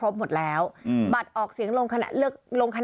บัตรออกเสียงลงคะแนน